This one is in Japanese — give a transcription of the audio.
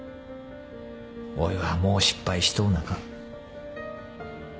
おいはもう失敗しとうなか。